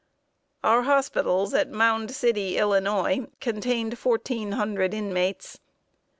] Our hospitals at Mound City, Illinois, contained fourteen hundred inmates.